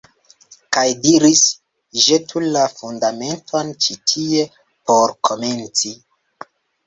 Kaj diris «Ĵetu la Fundamenton ĉi tie por komenci».